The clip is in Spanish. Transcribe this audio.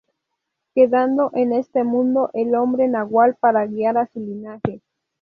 Quedando en este mundo el hombre-nagual para guiar a su linaje.